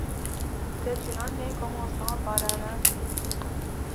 C'est une année commençant par un lundi.